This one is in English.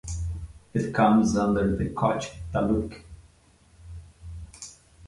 It comes under the Kochi taluk.